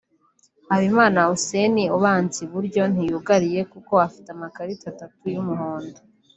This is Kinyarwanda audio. Habimana Hussein (Ubanza iburyo) ntiyugariye kuko afite amakarita atatu y'umuhondo